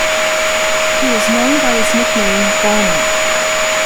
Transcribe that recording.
He is known by his nickname "Bomber".